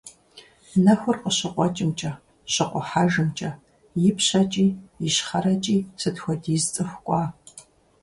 Нэхур къыщыкъуэкӀымкӀэ, щыкъухьэжымкӀэ, ипщэкӀи, ищхъэрэкӀи сыт хуэдиз цӀыху кӀуа!